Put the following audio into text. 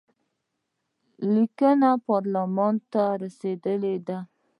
لیکونه پارلمان ته رسېدلي دي.